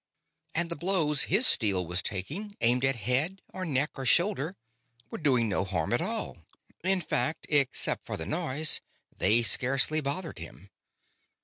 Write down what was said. And the blows his steel was taking, aimed at head or neck or shoulder, were doing no harm at all. In fact, except for the noise, they scarcely bothered him.